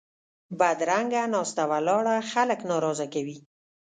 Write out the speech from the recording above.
بدرنګه ناسته ولاړه خلک ناراضه کوي